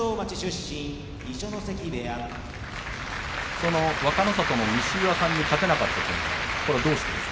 その若の里の西岩さんに勝てなかったのはどうしてですか。